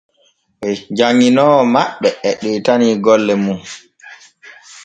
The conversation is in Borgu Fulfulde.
Janŋinoowo maɓɓe e ɗoytani golle mun.